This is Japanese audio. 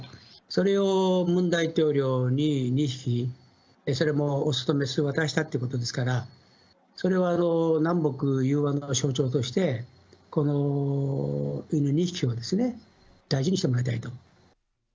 それをムン大統領に２匹、それも雄と雌を渡したということですから、それを南北融和の象徴として、この犬２匹をですね、大事にしてもらいたいと。